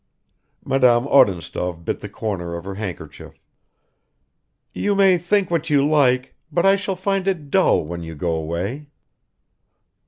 Madame Odintsov bit the corner of her handkerchief. "You may think what you like, but I shall find it dull when you go away."